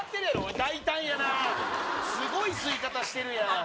大体やなあ、すごい吸い方してるやん。